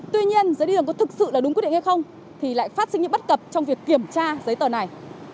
tuy nhiên giấy điều có thực sự là đúng quyết định hay không thì lại phát sinh những bất cập trong việc kiểm tra giấy tờ này